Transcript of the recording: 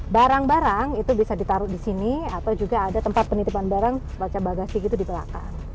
barang barang itu bisa ditaruh di sini atau juga ada tempat penitipan barang baca bagasi gitu di belakang